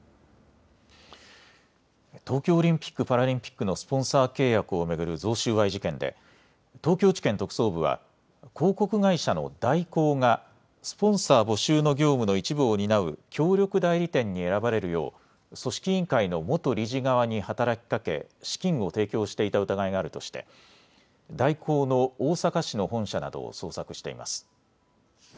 東京オリンピック・パラリンピックのスポンサー契約を巡る贈収賄事件で東京地検特捜部は広告会社の大広がスポンサー募集の業務の一部を担う協力代理店に選ばれるよう組織委員会の元理事側に働きかけ資金を提供していた疑いがあるとして大広の大阪市の本社などを捜索しています。